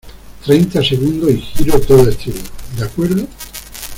treinta segundos y giro todo a estribor, ¿ de acuerdo?